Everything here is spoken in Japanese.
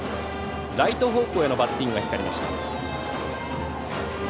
ライト方向へのバッティングが光りました。